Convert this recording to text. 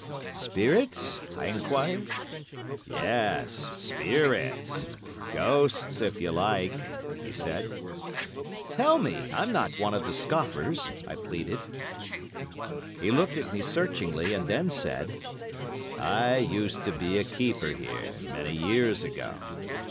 "Spirits?" I enquired. "Yes, spirits. Ghosts, if you like," he said. "Tell me. I'm not one of the scoffers," I pleaded. He looked at me searchingly, and then said: "I used to be a keeper here many years ago.